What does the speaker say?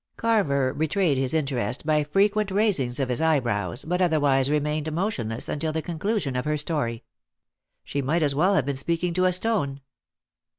Carver betrayed his interest by frequent raisings of his eyebrows, but otherwise remained motionless until the conclusion of her story. She might as well have been speaking to a stone.